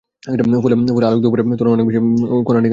ফলে তখন আলোকে দুপুরের তুলনায় অনেক বেশি হাওয়ার কণা ডিঙাতে হয়।